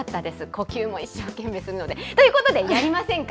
呼吸も一生懸命するので。ということで、やりませんか？